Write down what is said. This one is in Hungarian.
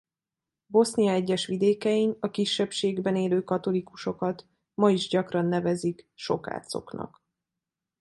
Bosznia egyes vidékein a kisebbségben élő katolikusokat ma is gyakran nevezik sokácoknak.